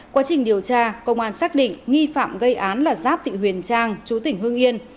quá trình điều tra công an xác định nghi phạm gây án là giáp thị huyền trang chú tỉnh hương yên